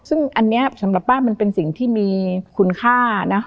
ซึ่งอันนี้สำหรับป้ามันเป็นสิ่งที่มีคุณค่านะ